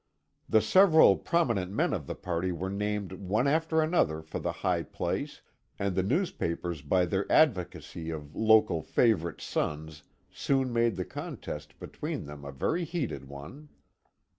The several prominent men of the party were named one after another for the high place, and the newspapers by their advocacy of local "favorite sons" soon made the contest between them a very heated one.